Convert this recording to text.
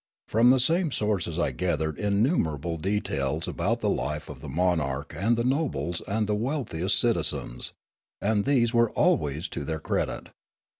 From the same sources I gathered innumerable details about the life of the monarch and the nobles and the wealthiest citi zens, and these were always to their credit.